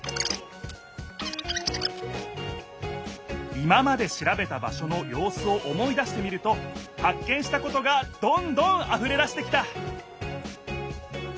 今までしらべた場所のようすを思い出してみるとはっ見したことがどんどんあふれだしてきた！